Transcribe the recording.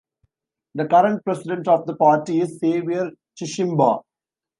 The current president of the party is Saviour Chishimba.